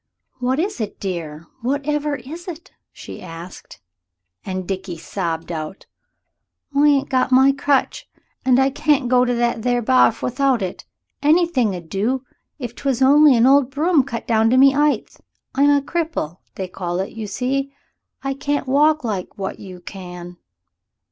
"What is it, dear? Whatever is it?" she asked; and Dickie sobbed out "I ain't got my crutch, and I can't go to that there barf without I got it. Anything 'ud do if 'twas only an old broom cut down to me 'eighth. I'm a cripple, they call it, you see. I can't walk like wot you can."